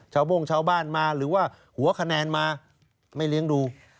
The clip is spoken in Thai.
โบ้งชาวบ้านมาหรือว่าหัวคะแนนมาไม่เลี้ยงดู